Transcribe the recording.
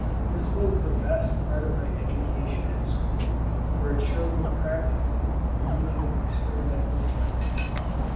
This was the best part of my education at school, for it showed me practically the meaning of experimental science.